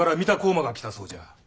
馬が来たそうじゃ。